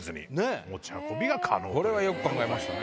これはよく考えましたね。